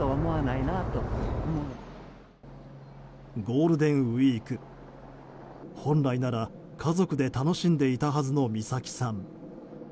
ゴールデンウィーク本来なら家族で楽しんでいたはずの美咲さん。